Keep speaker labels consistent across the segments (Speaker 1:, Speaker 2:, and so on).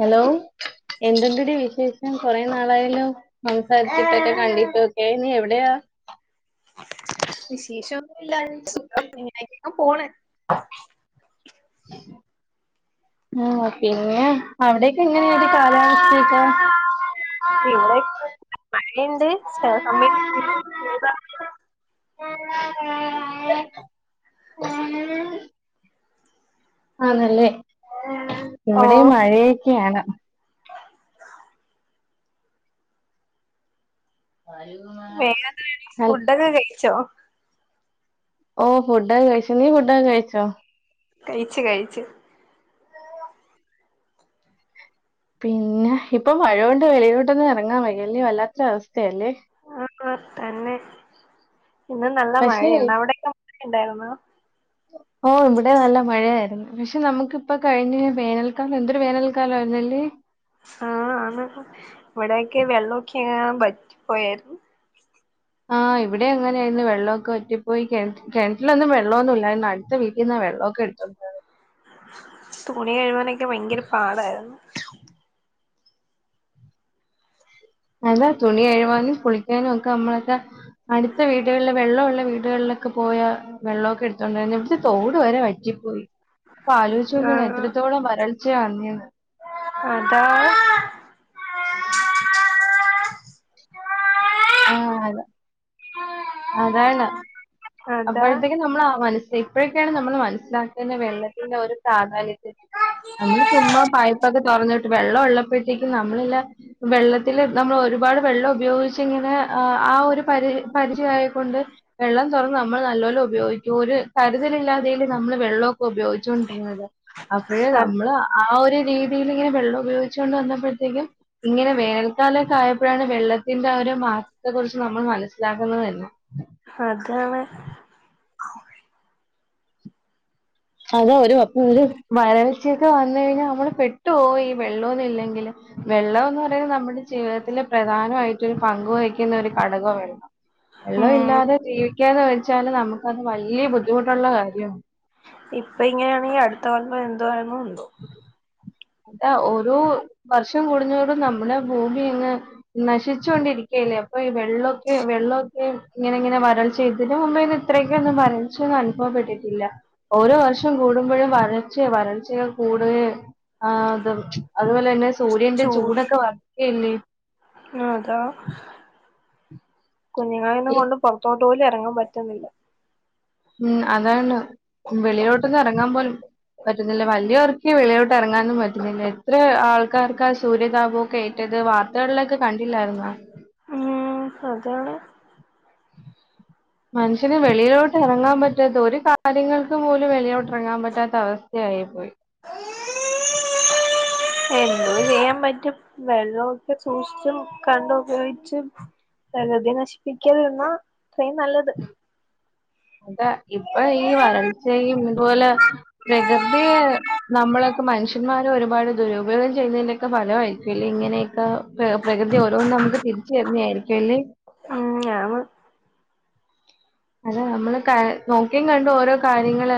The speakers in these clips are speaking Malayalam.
Speaker 1: ഹലോ എന്തുണ്ടടീ വിശേഷം കൊറേ നാളായല്ലോ സംസാരിച്ചിട്ടക്കെ കണ്ടിട്ടൊക്കെ നീ എവിടെയാ
Speaker 2: വിശേഷം
Speaker 1: [unintelligible] സുഖം
Speaker 2: ഇങ്ങനെയൊക്കെ പോണ്
Speaker 1: [unintelligible] മ് പിന്നെ അവിടെക്കെങ്ങനെയാടീ കാലാവസ്ഥക്കെ
Speaker 2: ഇവിടെ മഴണ്ട് ചെല സമയത്ത് [unintelligible] [unintelligible]
Speaker 1: ആണല്ലേ
Speaker 2: ഓ
Speaker 1: ഇവടീം മഴേക്കെയാണ്
Speaker 2: വേറെന്താടി
Speaker 1: ഹൽ-
Speaker 2: ഫുഡൊക്കെ കഴിച്ചോ
Speaker 1: ഓ ഫുഡ്ഡക്കെ കഴിച്ചു. നീ ഫുഡൊക്കെ കഴിച്ചോ?
Speaker 2: കഴിച്ച് കഴിച്ചു
Speaker 1: പിന്നെ ഇപ്പൊ മഴോണ്ട് വെളീലോട്ടൊന്നും ഇറങ്ങാൻ വയ്യല്ലേ വല്ലാത്തൊരു അവസ്ഥയല്ലേ
Speaker 2: ആഹ് തന്നെ ഇന്ന് നല്ല
Speaker 1: പക്ഷേ
Speaker 2: മഴയാണ് അവിടെയൊക്കെ മഴ ഉണ്ടായിരുന്നോ
Speaker 1: ഓ ഇവിടെ നല്ല മഴയായിര്ന്നേ പക്ഷെ നമുക്കിപ്പ കഴിഞ്ഞ വേനൽക്കാലം എന്തൊരു വേനൽക്കാലം ആയിരുന്നല്ലേ
Speaker 2: ആഹ് ആണ് ഇവിടേക്കെ വെള്ളൊക്കെ വറ്റി പോയേര്ന്നു
Speaker 1: ആഹ് ആഹ് ഇവിടെ അങ്ങനായിര്ന്നു. വെള്ളൊക്കെ വറ്റിപ്പോയി. കെൺറ്റ് കെൺറ്റിലൊന്നും വെള്ളൊന്നും ഇല്ലായിര്ന്നു അടുത്ത വീട്ടീന്നാ വെള്ളൊക്കെ എട് [unintelligible]
Speaker 2: തുണി കഴ് വാനൊക്കെ ഭയങ്കര പാടായിര്ന്ന്
Speaker 1: അതാ തുണി കഴ് വാനും കുളിക്കാനും ഒക്കെ നമ്മളക്കെ അട്ത്ത വീടുകളിലില് വെള്ളമ്ള്ള വീടുകളിലൊക്കെ പോയാ വെള്ളമൊക്കെ എട്ത്തോണ്ടായിരുന്ന ഇവിട്ത്തെ തോട് വരെ വറ്റി പോയി അപ്പ ആലോചിച്ചോക്കണ
Speaker 2: ആഹ്
Speaker 1: എത്രത്തോളം വരൾച്ച [unintelligible]
Speaker 2: അതാ
Speaker 1: ആഹ് അത അതാണ്
Speaker 2: അതാ
Speaker 1: അപ്പഴത്തേക്കും നമ്മള മനസ് ഇപ്പോഴെക്കെയാണ് നമ്മൾ മനസ്സിലാക്കുന്ന വെള്ളത്തിന്റെ ഒരു
Speaker 2: അ
Speaker 1: പ്രാധാന്യത്തെപറ്റി നമ്മള് ചുമ്മാ പൈപ്പക്കെ തൊറന്നിട്ട് വെള്ളം ഉള്ളപ്പോഴത്തേക്കും നമ്മളല്ല വെള്ളത്തില് നമ്മൾ ഒരു ഒരുപാട് വെള്ളം ഉപയോഗിച്ചിങ്ങനെ ആഹ് ആ ഒര് പരി പരിചയായി ക്കൊണ്ട് വെള്ളം [unintelligible] നമ്മൾ നല്ലോലെ ഉപയോഗിക്കും. ഒര് കര്തലില്ലാതല്ലേ നമ്മള് വെള്ളൊക്കെ ഉപയോഗിച്ചോണ്ടിര്ന്നത്. അപ്പോഴേ നമ്മള് ആ ഒര് രീതിൽ ഇങ്ങനെ വെള്ളം ഉപയോഗിച്ചൊണ്ട് വന്നപ്പോഴത്തേക്കും ഇങ്ങനെ വേനൽക്കാലക്കെ ആയപ്പഴാണ് വെള്ളത്തിന്റെ ആ ഒര് മാറ്റത്തെ കുറിച്ച് നമ്മള് മനസ്സിലാക്ക്ന്നത് തന്നെ
Speaker 2: അതാണ്
Speaker 1: അത ഒരുപ്പ ഒരു വരൾച്ചിക്കെ വന്ന് കഴിഞ്ഞാ നമ്മള് പെട്ടുപോയി ഈ വെള്ളോന്നില്ലെങ്കില് വെള്ളംന്ന് പറയുന്നത് നമ്മുടെ ജീവിതത്തിലെ പ്രധാനമായിട്ട് ഒരു പങ്ക് വഹിക്കുന്ന ഒരു ഘടകോ വെള്ളം വെള്ളം
Speaker 2: ഉം
Speaker 1: ഇല്ലാതെ ജീവിക്കാതെ വഴിച്ചാല് നമുക്കത് വലിയ ബുദ്ധിമുട്ടുള്ള കാര്യമാണ്
Speaker 2: ഇപ്പ ഇങ്ങനെയാണെങ്കിൽ അടുത്ത കൊല്ലപ്പ എന്തുരുന്നു ഉന്തോ
Speaker 1: അതാ ഓരോ വർഷം കൂടഞ്ഞോടും നമ്മുടെ ഭൂമിങ് നശിച്ചൊണ്ടിരിക്കുക അപ്പൊ ഈ വെള്ളമൊക്കെ വെള്ളമൊക്കെ ഇങ്ങനെ ഇങ്ങനെ വരൾച്ച് ഇതിന് മുമ്പേ ഒന്ന് ഇത്രക്ക ഒന്നും വരൾച്ച് അനുഭവപ്പെട്ടിട്ടില്ല ഓരോ വർഷം കൂടുമ്പോഴും വരർച്ചയെ വരച്ചയെ കൂടുകയും ആ അത അതുപോലെ തന്നെ സൂര്യന്റെ ചൂടൊക്കെ വർക്കല്ലേ
Speaker 2: അത കുഞ്ഞുങ്ങളിൽന്നന്ന് കൊണ്ട് പുൊറത്തോട്ടു പോലും ഇറങ്ങാൻ പറ്റുന്നില്ല
Speaker 1: ഉം അതാണ് വെളിയിലോട്ടൊന്ന് ഇറങ്ങാൻ പോലും പറ്റുന്നില്ല വലിയവർക്ക് വെളിയിലോട്ട് ഇറങ്ങാനൊന്നും പറ്റുന്നില്ല എത്ര ആൾക്കാർക്ക് ആ സൂര്യതാപമൊക്കെ ഏറ്റ അത് വാർത്തകളിലൊക്കെ കണ്ടില്ലായിരുന്നോ
Speaker 2: ഉം അതെ തെ
Speaker 1: മനുഷ്യന് വെളിയിലോട്ട് ഇറങ്ങാൻ പറ്റാത്ത ഒരു കാര്യങ്ങൾക്ക് പോലും വെളിയിലോട്ട് ഇറങ്ങാൻ പറ്റാത്ത അവസ്ഥയ ആയി പോയി
Speaker 2: എന്തൊ ചെയ്യാൻ പറ്റും വെള്ളൊക്കെ സൂക്ഷിച്ചും കണ്ടും ഉപയോഗിച്ച് പ്രകൃതിയെ നശിപ്പിക്കാതിരുന്നാ ഇത്രയും നല്ലത്
Speaker 1: അതാ ഇപ്പൊ ഈ വരൾച്ചയും ഇതുപോലെ പ്രകൃതിയെ നമ്മള് മനുഷ്യന്മാർ ഒരുപാട് ദുരുപയോഗം ചെയ്യുന്നതിന്റെയൊക്കെ ഫലമായിരിക്കും ഇല്ലേ ഇങ്ങനെ പ്രകൃതി ഓരോന്ന് നമുക്ക് തിരിച്ചു തരുന്നയായിരിക്കുംഅല്ലേ [inaudible]
Speaker 2: ഉം ആണ്
Speaker 1: അതെ നമ്മള് ക നോക്കിയും കണ്ടും ഓരോ കാര്യങ്ങള്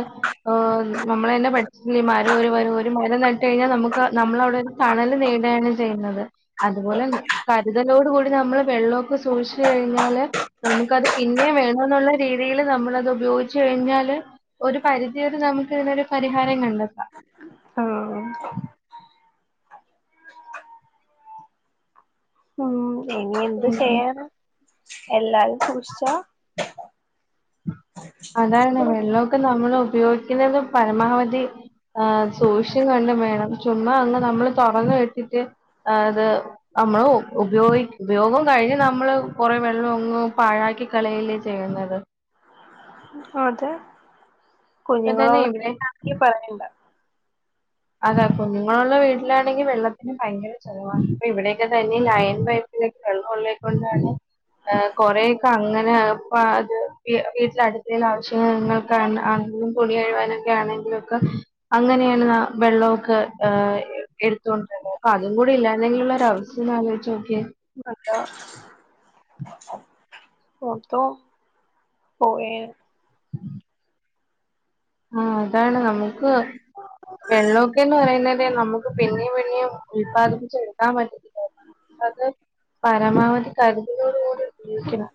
Speaker 1: നമ്മള് തന്നെ പഠിച്ചില്ലേ ഈ മരം ഒരു വരം ഒരു മരം നട്ടു കഴിഞ്ഞാൽ നമുക്ക് നമ്മളവിടെ തണല് നേടുകയാണ് ചെയ്യുന്നത് അതുപോലെ കരുതലോട് കൂടി നമ്മള് വെള്ളമൊക്കെ സൂക്ഷിച്ചു കഴിഞ്ഞാല് നമുക്കത് പിന്നെയ വേണം എന്നുള്ള രീതിയിൽ നമ്മളത് ഉപയോഗിച്ച് കഴിഞ്ഞാല് ഒരു പരിധിവരെ നമുക്ക് ഇതിനൊരു പരിഹാരം കണ്ട [inaudible]
Speaker 2: ഉം ഉം ഇനി എന്ത് ചെയ്യാന എല്ലാരും സൂക്ഷിച്ചാ
Speaker 1: അതാണ് വെള്ളമൊക്കെ നമ്മൾ ഉപയോഗിക്കുന്നത് പരമാവധി ആ സൂക്ഷിച്ചും കണ്ടും വേണം ചുമ്മാ അങ്ങ് നമ്മള് തുറന്ന് വിട്ടിട്ട് അത് നമ്മള് ഉപയോഗി ഉപയോഗം കഴിഞ്ഞ് നമ്മള് കൊറെ വെള്ളം അങ്ങ് പാഴാക്കി കളയല്ലേ ചെയ്യുന്ന അതെ
Speaker 2: അതെ
Speaker 1: ഇപ്പൊ തന്നെ
Speaker 2: കുഞ്ഞുങ്ങളുള്ള
Speaker 1: ഇവിടെ
Speaker 2: വീട് ആണെങ്കിൽ പറയണ്ട
Speaker 1: അതാപ്പ കുഞ്ഞുങ്ങളുള്ള വീട്ടിലാണെങ്കിൽ വെള്ളത്തിന് ഭയങ്കര ചിലവാണ് അപ്പ ഇവിടെയൊക്കെ തന്നെ ലൈൻ പൈപ്പ വെള്ളഒള്ളേക്കൊണ്ടാണ് കൊറേക്കെ അങ്ങനെ അത് വീട്ടിൽ അടുത്തുള്ള ആവശ്യങ്ങൾക്ക തുണി കഴുവാനൊക്കെ ആണെങ്കിലും ഒക്കെ അങ്ങനെയാണ് വെള്ളമൊക്കെ ഹ എടുത്തോണ്ടിരുന്ന അപ്പൊ അതും കൂടി ഇല്ലാതെങ്കിലുള്ള ഒരു അവസ്ഥ ഒന്ന് ആലോചിച്ചോക്കിയേ
Speaker 2: അതാ
Speaker 1: ഉ
Speaker 2: ഓർത്തോ [unintelligible]
Speaker 1: ആഹ അതാണ് നമുക്ക് വെള്ളോക്ക എന്ന് പറയുന്നത് നമുക്ക് പിന്നെയും പിന്നെയും ഉല്പാദിപ്പിച്ച് എടുക്കാൻ പറ്റില്ലല്ലോ അത് പരമാവധി കരുതലോടുകൂടി ഉപയോഗിക്കണം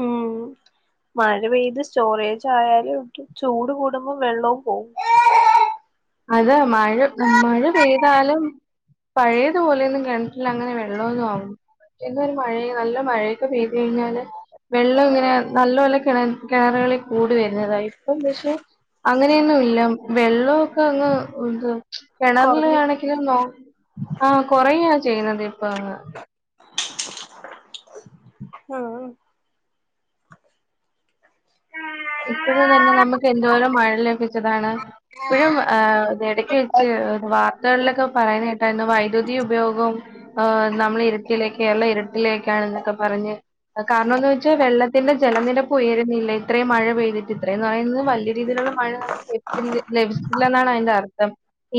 Speaker 2: ഉം മഴ പെയ്ത് സ്റ്റോറേജ് ആയാലും ഇ ചൂട് കൂടുമ്പോം വെള്ളവും പോകും
Speaker 1: അതാ മഴ മഴ പെയ്താലും പഴയതുപോലെയൊന്നും കിണറ്റിലങ്ങനെ വെള്ളമൊന്നും ആകുന്നില്ല ഇന്നൊരു മഴ നല്ല മഴ പെയ്ത് കഴിഞ്ഞാല് വെള്ളം ഇങ്ങനെ നല്ല പോലെ കിണറുകളിൽ കൂടി വരുന്നതാണ് ഇപ്പൊ പക്ഷെ അങ്ങനെയൊന്നും ഇല്ല വെള്ളം അങ്ങ് കിണറിൽ
Speaker 2: കൊറഞ്ഞു
Speaker 1: ആണെങ്കിലും ആ കൊറയുവ ചെയ്യുന്നത് ഇപ്പ
Speaker 2: ആഹ ആം
Speaker 1: ഇപ്പോഴും തന്നെ നമുക്ക് എന്തോരം മഴ ലഭിച്ചതാണ് ഇപ്പോഴും ഇ ഇടക്ക് വെച്ച് വാർത്തകളിലൊക്കെ പറയുന്ന കേട്ടായിരുന്നു വൈദ്യുതി ഉപയോഗവും നമ്മളെ ഇരുട്ടിലേക്ക് കേരളം ഇരട്ടിലേക്കാണ് എന്നൊക്കെ പറഞ്ഞ കാരണം എന്ന് വെച്ചാ വെള്ളത്തി തിന്റെ ജലനിരപ്പ് ഉയരുന്നില്ല ഇത്രയും മഴ പെയ്തിട്ട് അത്രന്ന് പറയുന്നത് വലിയ രീതിയിലുള്ള മഴ നമുക്ക് ലഭിക്കു ലഭിച്ചിട്ടില്ലെന്നാണ് അതിന്റെ അർത്ഥം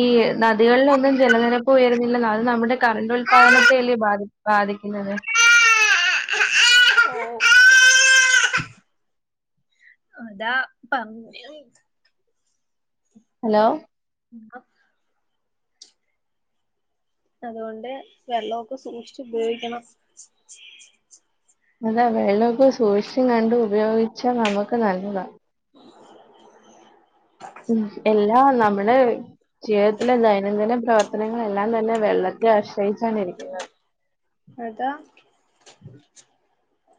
Speaker 1: ഈ നദികളിലൊന്നും ജലനിരപ്പ് ഉയരുന്നില്ല അത് നമ്മുടെ കറണ്ട്
Speaker 2: ഉം
Speaker 1: ഉൽപാദനത്തെ അല്ല ബാധ ബാധിക്കും ന്നെ
Speaker 2: അതാ പ
Speaker 1: ഹലോ
Speaker 2: ഉ അതുകൊണ്ട് വെള്ളമൊക്കെ സൂക്ഷിച്ച് ഉപയോഗിക്കണം
Speaker 1: അതാ വെള്ളമൊക്കെ സൂക്ഷും കണ്ട ഉപയോഗിച്ചാ നമുക്ക് നല്ലതാണ് ഉം എല്ലാം നമ്മള് ജീവിതത്തിലെ ദൈനംദിന പ്രവർത്തനങ്ങളെല്ലാം തന്നെ വെള്ളത്തെ ആശ്രയിച്ചാണ്ിരിക്കുന്നത്
Speaker 2: അതാ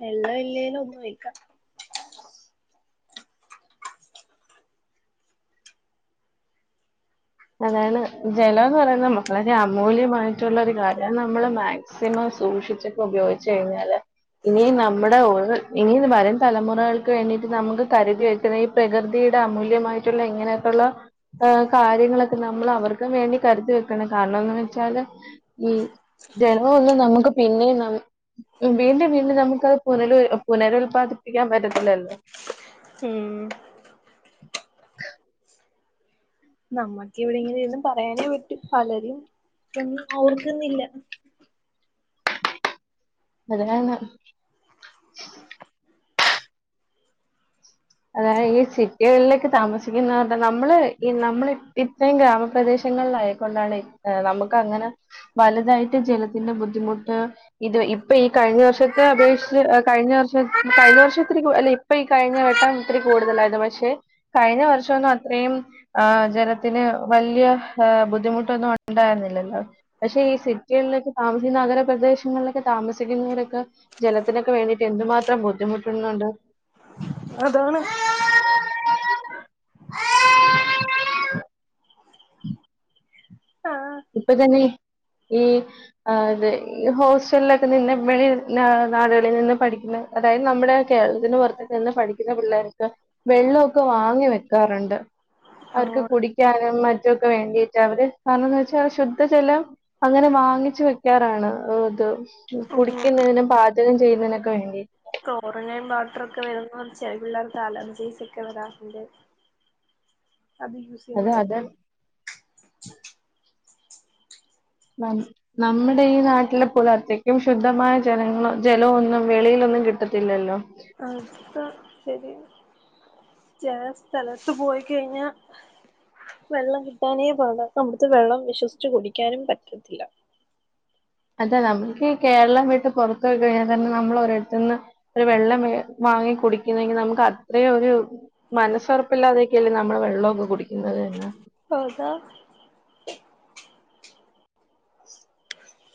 Speaker 2: എള്ള ഇല്ലേിലും ഒന്നും വക്കാം
Speaker 1: അതാണ് ജലംന്ന് പറയുന്നത് വളരെ അമൂല്യമായിട്ടുള്ള ഒരു കാര്യമാണ് നമ്മള് മാക്സിമം സൂക്ഷിച്ചിക്കെ ഉപയോഗിച്ച കഴിഞ്ഞാല് ഇനിയ നമ്മുടെ ഇനിയ വരും തലമുറകൾക്ക് വേണ്ടിട്ട് നമുക്ക് കരുതി വെക്കുന്ന ഈ പ്രകൃതിയ അമൂല്യമായിട്ടുള്ള എങ്ങനെയൊക്കെയുള്ള കാര്യങ്ങള നമ്മൾ അവർക്കും വേണ്ടി കരുത്ത് വെക്കണം കാരണംന്ന് വെച്ചാല് ഈ ജനമം ഒന്ന് നമുക്ക് പിന്നെയ വീണ്ടും വീണ്ടും നമുക്കത് പുനരു പുനരുത്പാദിപ്പ പിക്കാൻ പറ്റത്തില്ലല്ലോ
Speaker 2: ഉഏ
Speaker 1: [inaudible]
Speaker 2: നമ്മുക്ക് എവിടെ എങ്ങനെും പറയാനേ പറ്റി പലരും ഇൊും ഓർക്കന്നില്ല
Speaker 1: അതാണ് അതായ ഈ സിറ്റികളിലേക്ക് താമസിക്കുന്ന നമ്മള് ഈ നമ്മള് ഇത്രയും ഗ്രാമപ്രദേശങ്ങളില ആയക്കൊണ്ടാണ് നമുക്ക് അങ്ങനെ വലുതായിട്ട് ജലത്തിന്റെുദ്ധ ബുദ്ധിമുട്ട് ഇത് ഇപ്പൊ ഈ കഴിഞ്ഞ വർഷം ത്തെ അപേക്ഷിച്ച് കഴിഞ്ഞ വർഷം കഴിഞ്ഞ വർഷത്തിക്ക് അല്ലെ ഇപ്പൊ ഈ കഴിഞ്ഞ എട്ടാം ഒത്തിരി കൂടുതലായത് പക്ഷെ കഴിഞ്ഞ വർഷംൊന്നും അത്രയും ആ ജലത്തിന് വലിയ ബുദ്ധിമുട്ടൊന്നും ഉണ്ടായിരുന്നില്ലല്ലോ പക്ഷെ ഈ സിറ്റികളിലൊക്കെ താമസിക്കുന്ന നഗരപ്രദേശങ്ങളിലൊക്കെ താ താമസിക്കുന്നവരൊക്കെ ജലത്തിനൊക്കെ വേണ്ടിട്ട് എന്തുമാത്രം ബുദ്ധിമുട്ടുന്നുണ്ട്
Speaker 2: അതാണ്
Speaker 1: [inaudible]
Speaker 2: ആഹ്
Speaker 1: ഇപ്പൊ തന്നെ ഈ ആ ഇത് ഹോസ്റ്റലിലൊക്കെ നിന്ന് വഴി നാടുകളിൽ നിന്ന് പഠിക്കുന്ന അതായത് നമ്മുടെ കേരളത്തിന്റെ പുറത്ത നിന്ന് പഠിക്കുന്ന പിള്ളേർക്ക് വെള്ളമൊക്കെ വാങ്ങി വെക്കാറുണ്ട് അവർക്ക്
Speaker 2: ആഹ്
Speaker 1: കുടിക്കാനും മറ്റുമ ഒക്കെ വേണ്ടിട്ട് അവര് കാരണം ശുദ്ധജലം അങ്ങനെ വാങ്ങിച്ചു വെക്കാറാണ് ഇത്
Speaker 2: ഉം
Speaker 1: കുടിക്കുന്നതിനും പാചകം ചെയ്യുന്നതിനൊക്കെ വേണ്ടി
Speaker 2: ോറങ്ങയും ബാട്ടർൊക്കെ വരുന്ന ചെില പിള്ളേർക്ക് അലർജീസ് ഒക്കെ വരാതിന്റെ
Speaker 1: [inaudible]
Speaker 2: അത് യൂസ്
Speaker 1: അത് അത്
Speaker 2: ചെയ്യുന്നർക്ക്
Speaker 1: നമ്മുടെ ഈ നാട്ടിലെ പുലർത്തക്കും ശുദ്ധമായ ജനങ്ങളോ ജലമൊന്നും വെളിയിലൊ ഒന്നും കിട്ടത്തില്ലല്ലോ
Speaker 2: അപ്പ ശരി ച സ്ഥലത്ത പോയി കഴിഞ്ഞാ വെള്ളം കിട്ടാനേ പറാണം നമ്മടുത്തെ വെള്ളം വിശ്വസിിച്ചച്ച് കുടിക്കാനും പറ്റത്തില്ല
Speaker 1: അതെ നമ്മുക്ക് കേരളം വീട്ട് പുറത്തത്ത് വ കഴിഞ്ഞാൽ കാരണം നമ്മൾ ഒരിടുത്തുന്ന് ഒരു വെള്ളം വാങ്ങി കുടിക്കുന്നെങ്കിൽ നമുക്ക് അത്ര ഒരു മനസ്സുറപ്പില്ലാതെയൊക്കെയല്ലേ നമ്മുടെ വെള്ളമൊക്കെ കുടിക്കുന്നത് തന്നെ
Speaker 2: ഹതാ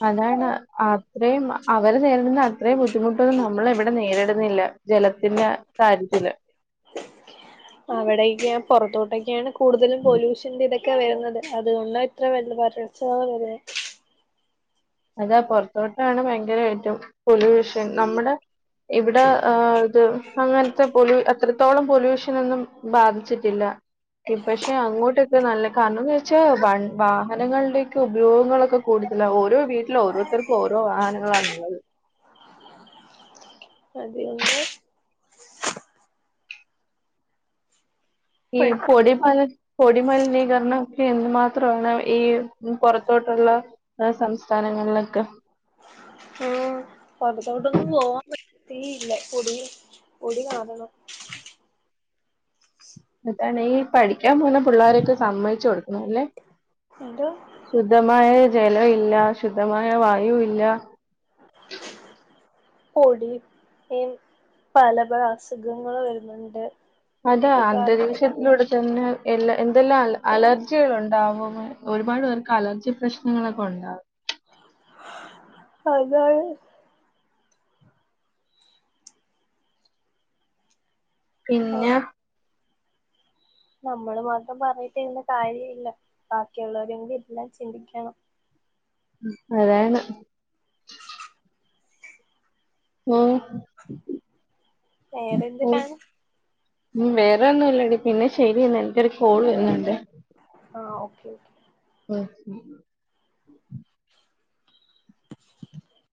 Speaker 1: അതാണ് അത്രയും അവര് നേ അന്ന് അത്രേ ബുദ്ധിമുട്ടൊന്നും നമ്മൾ ഇവിടെ നേരിടുന്നില്ല ജലത്തിന്റെ കാര്യത്തില്
Speaker 2: അവിടൊക്ക പുൊറത്തോട്ടൊക്കെയാണ് കൂടുതലും പൊല്യൂഷൻന്റെ ഇതൊക്കെ ക്കെ വരുന്നത് അതുകൊണ്ട ഇത്ര വല്ല വരച്ചാണ് വര
Speaker 1: അതാ പൊറത്തോട്ടാണ് ഭയങ്കരമായിട്ടും പൊല്യൂഷൻ നമ്മുടെ ഇവിടെ ഇത് അങ്ങനത്തെ പൊല്യൂ അത്രത്തോളം പൊല്യൂഷനൊന്നും ബാധിച്ചിട്ടില്ല പക്ഷെ അങ്ങോട്ടൊക്കെ നല്ല കാരണം വെച്ചാൽ വ വാഹനങ്ങളുടെൊക്കെ ഉപയോഗങ്ങളൊക്കെ കൂടുത ഓരോ വീട്ടില ഓരോരുത്തർക്കും ഓരോ വാഹനങ്ങളാണള്ളത്
Speaker 2: അതുകൊണ്ട്
Speaker 1: ഈ പൊടിമല പൊടി മലിനീകരണം ഒക്കെ എന് മാത്രമാണ് ഈ പുൊറത്തോട്ട് ുള്ള സംസ്ഥാനങ്ങളിലൊക്കെ
Speaker 2: ഉം പുൊറത്തോട്ടൊന്നും പോവാൻ പ ഇല്ല പൊടി പൊടി കാണണം
Speaker 1: അതാണ് ഈ പഠിക്കാൻ പോന്ന പിള്ളോരെയൊക്കെ സമ്മതിച്ചു കൊടുക്കുന്നത് അല്ലേ
Speaker 2: എന്തോ
Speaker 1: സുധമാ ജല ഇല്ല ശുദ്ധമായ വായുവ ഇല്ല
Speaker 2: പൊടം പല പല അസുഖങ്ങൾ വരുന്നുണ്ട്
Speaker 1: അതാ
Speaker 2: ഇതിനൊക്കെ കാരണം
Speaker 1: അന്തരീഷത്തിലൂടെ തന്നെ എല്ലാ എന്തെല്ലാം അ അലർജികൾ ഉണ്ടാവും ഒരുപാട് പേർക്ക് അലർജി പ്രശ്നങ്ങളൊക്കെ ഉണ്ടാാവും
Speaker 2: അതെ
Speaker 1: പിന്നെ
Speaker 2: ആഹ് നമ്മള് മാത്രം പറഞ്ഞട്ടരുന്ന കാര്യ ഇല്ല ബാക്കിയുള്ളവരെങ്കും എല്ലാം ചിന്തിക്കണം
Speaker 1: അതാണ് ആഹ
Speaker 2: വേറെന്തിട്ടാണ്
Speaker 1: ഉ വേറെ ഒന്നുംല്ലടി പിന്നെ ശെരിയന്ന എനക്ക്ൊരു കോൾ് വരുന്നുണ്ട്
Speaker 2: ആ ഓക്കെ ഓക്കെ
Speaker 1: ആഹ